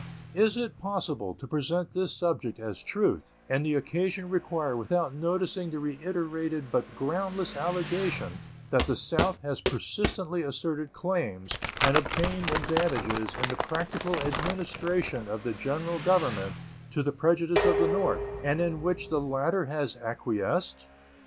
Is it possible to present this subject as truth and the occasion require without noticing the reiterated but groundless allegation that the South has persistently asserted claims and obtained advantages in the practical administration of the General Government to the prejudice of the North, and in which the latter has acquiesced?